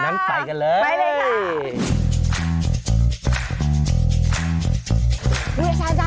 นั้นไปกันเลยค่ะไปเลยค่ะนั้นไป